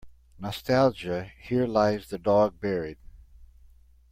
Nostalgia Here lies the dog buried.